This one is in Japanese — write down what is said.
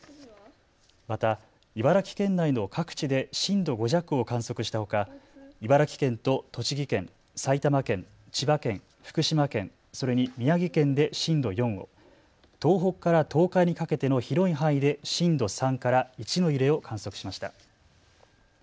また茨城県内の各地で震度５弱を観測したほか茨城県と栃木県、埼玉県、千葉県、福島県、それに宮城県で震度４を、東北から東海にかけての広い範囲で震度３から１の揺れを観測しました。